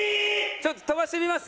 ちょっと飛ばしてみます？